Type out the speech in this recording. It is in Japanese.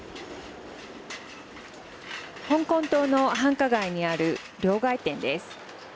香港島の繁華街にある両替店です。